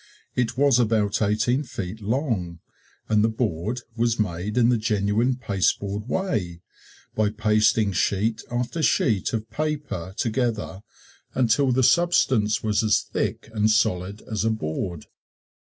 It was about eighteen feet long, and the "board" was made in the genuine pasteboard way by pasting sheet after sheet of paper together until the substance was as thick and solid as a board.